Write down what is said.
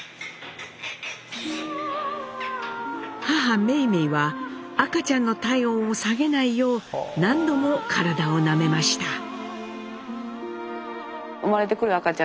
母・梅梅は赤ちゃんの体温を下げないよう何度も体をなめました。